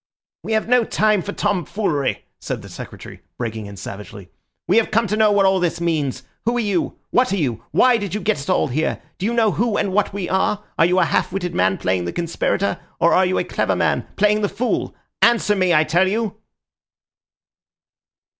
"We have no time for tomfoolery," said the Secretary, breaking in savagely. "We have come to know what all this means. Who are you? What are you? Why did you get us all here? Do you know who and what we are? Are you a half witted man playing the conspirator, or are you a clever man playing the fool? Answer me, I tell you."